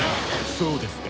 そうですか。